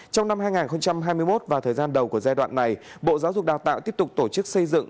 trong năm hai nghìn hai mươi một và thời gian đầu của giai đoạn này bộ giáo dục đào tạo tiếp tục tổ chức xây dựng